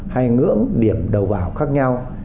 hay ngưỡng điểm đầu vào khác nhau